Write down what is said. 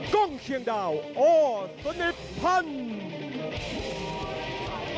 กรงเชียงดาวอสนิทพันธ์